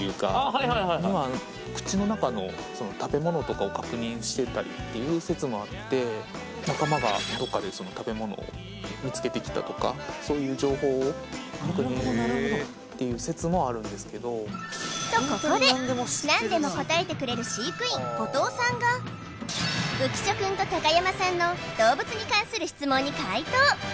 はいはいはいはい口の中の食べ物とかを確認してたりっていう説もあって仲間がどっかでその食べ物を見つけてきたとかそういう情報を確認っていう説もあるんですけどとここで何でも答えてくれる飼育員後藤さんが浮所くんと高山さんの動物に関する質問に回答！